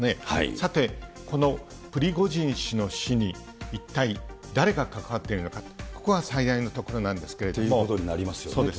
さて、このプリゴジン氏の死に一体誰が関わっているのか、ここが最大のということになりますよね、当然。